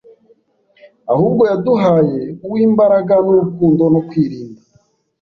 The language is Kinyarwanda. ahubwo yaduhaye uw’imbaraga n’urukundo no kwirinda.”